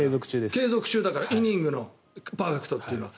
継続中だから、イニングのパーフェクトというのは。